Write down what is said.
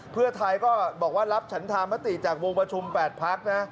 เพื่อไทยก็บอกว่ารับฉันธามติจากวงประชุม๘พักนะ